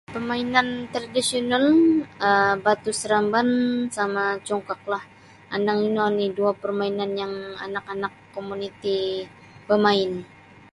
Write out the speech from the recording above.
Pamainan tradisional um batu seremban sama congkaklah andang ino oni' duo permainan yang anak-anak komuniti bamain